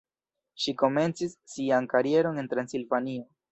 Ŝi komencis sian karieron en Transilvanio.